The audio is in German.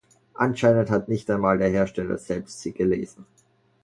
Anscheinend hat nicht einmal der Hersteller selbst sie gelesen.